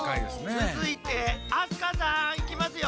つづいて明日香さんいきますよ。